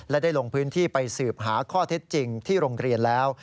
และได้ลงพื้นที่ไปสืบหาข้อเท็จจริงที่โรงเรียนแล้ว